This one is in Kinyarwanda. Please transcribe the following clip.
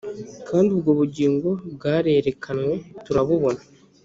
kandi ubwo Bugingo bwarerekanywe turabubona